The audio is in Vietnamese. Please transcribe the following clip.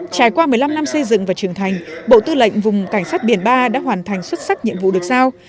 trải qua một mươi năm năm xây dựng và trưởng thành bộ tư lệnh vùng cảnh sát biển ba đã hoàn thành xuất sắc nhiệm vụ được giao